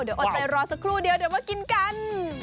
เดี๋ยวอดใจรอสักครู่เดียวเดี๋ยวมากินกัน